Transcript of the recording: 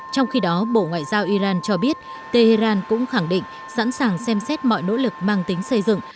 trong khi đó bộ ngoại giao iran cho biết tehran cũng khẳng định sẵn sàng xem xét mọi nỗ lực mang tính xây dựng